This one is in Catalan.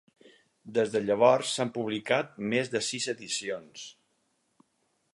Des de llavors s'han publicat més de sis més edicions.